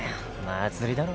祭りだろ？